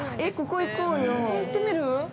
◆行ってみる？